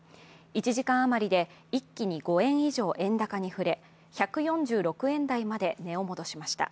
１時間余りで一気に５円以上円高に振れ、１４６円台まで値を戻しました。